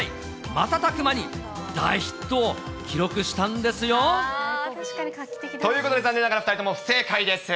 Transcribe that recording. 瞬く間に大ヒットを記録したんで確かに画期的だ。ということで残念ながら、２人とも不正解です。